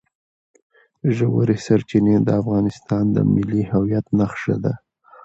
ژورې سرچینې د افغانستان د ملي هویت نښه ده.